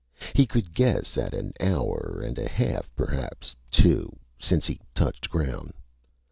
He could guess at an hour and a half, perhaps two, since he touched ground.